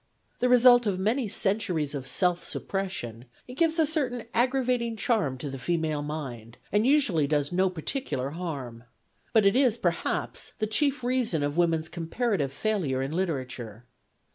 The result of many cen turies of self suppression, it gives a certain aggrav ating charm to the female mind, and usually does no particular harm. But it is, perhaps, the chief reason of women's comparative failure in literature.